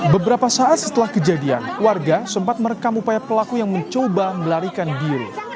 beberapa saat setelah kejadian warga sempat merekam upaya pelaku yang mencoba melarikan diri